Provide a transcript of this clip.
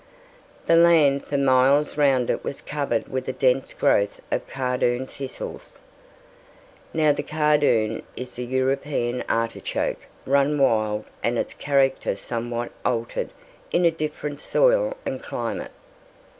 The land for miles round it was covered with a dense growth of cardoon thistles. Now the cardoon is the European artichoke run wild and its character somewhat altered in a different soil and climate.